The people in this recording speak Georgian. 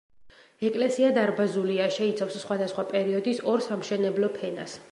ეკლესია დარბაზულია, შეიცავს სხვადასხვა პერიოდის ორ სამშენებლო ფენას.